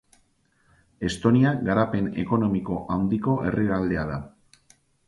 Estonia garapen ekonomiko handiko herrialdea da.